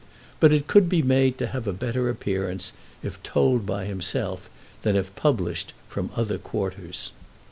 But it could be made to have a better appearance if told by himself, than if published from other quarters.